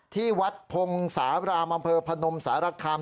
ที่วัดพงศาบรามอำเภอพนมสารคาม